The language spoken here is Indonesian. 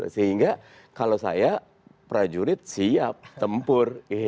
sehingga kalau saya prajurit siap tempur